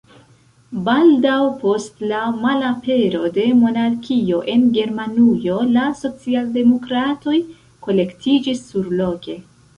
Baldaŭ post la malapero de monarkio en Germanujo la socialdemokratoj kolektiĝis surloke.